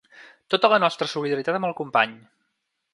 Tota la nostra solidaritat amb el company.